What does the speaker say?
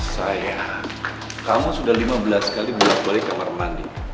sayang kamu sudah lima belas kali pulang pulang ke kamar mandi